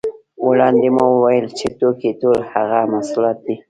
وړاندې مو وویل چې توکي ټول هغه محصولات دي